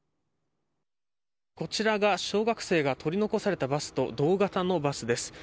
こちらが小学生が取り残されたバスと同型のバスです。